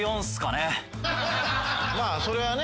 まあそれはね。